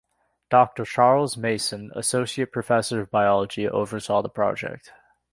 Doctor Charles Mason, Associate Professor of Biology, oversaw the project.